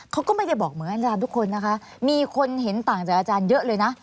เขาก็ไม่ได้บอกเหมือนอาจารย์ทุกคนนะคะมีคนเห็นต่างจากอาจารย์เยอะเลยนะ